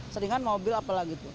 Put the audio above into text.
seringan mobil apalagi gitu